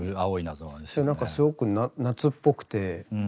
そうなんかすごく夏っぽくて。